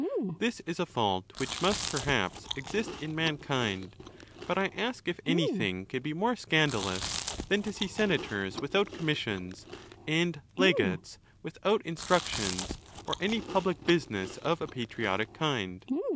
This is a fault which must, perhaps, exist in mankind; but I ask if anything can be more scandalous than to see senators without commissions, and legates without instructions, or any public business of a patriotic kind?